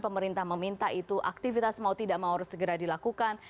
pemerintah meminta itu aktivitas mau tidak mau harus segera dilakukan